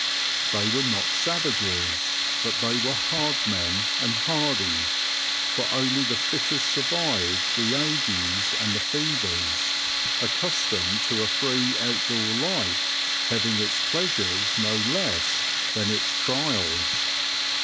They were not savages, but they were hard men and hardy, for only the fittest survived the agues and the fevers, accustomed to a free out door life, having its pleasures no less than its trials.